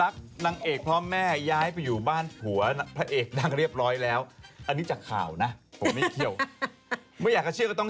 อันนี้ไม่เอาเหรออันนี้อย่าเพิ่ง